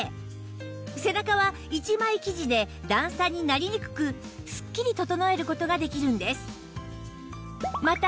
背中は１枚生地で段差になりにくくすっきり整える事ができるんです